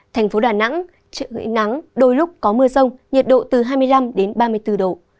thành phố đà nẵng trời hứng nắng đôi lúc có mưa rông nhiệt độ từ hai mươi năm đến ba mươi bốn độ